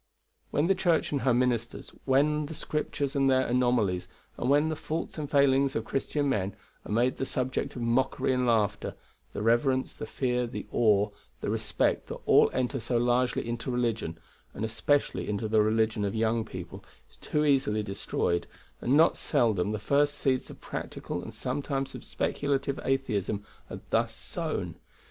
When the church and her ministers, when the Scriptures and their anomalies, and when the faults and failings of Christian men are made the subject of mockery and laughter, the reverence, the fear, the awe, the respect that all enter so largely into religion, and especially into the religion of young people, is too easily destroyed; and not seldom the first seeds of practical and sometimes of speculative atheism are thus sown.